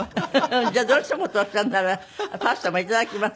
じゃあどうしてもっておっしゃるならパスタも頂きます。